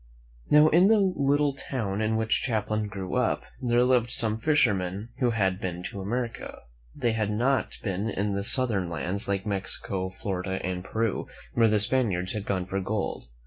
Now, in the little town in which Champlain grew up, there lived some fishermen who had ((^ i; v m. ^ THE MEN WHO FOUND AMERICA been to America. They had not been in the southern lands, like Mexico, Florida and Peru, where the Spaniards had gone for gold.